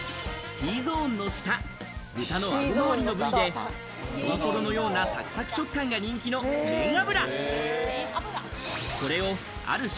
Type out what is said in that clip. Ｔゾーンの下、豚のあごまわりの部位で、豚トロのようなサクサク食感が人気の面脂。